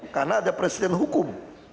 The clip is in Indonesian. karena ada presiden hukum